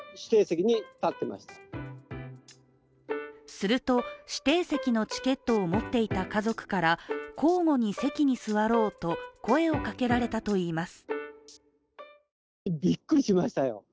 すると指定席のチケットを持っていた家族から交互に席に座ろうと声をかけられたといいます。